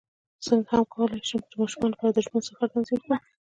څنګه کولی شم د ماشومانو لپاره د ژوبڼ سفر تنظیم کړم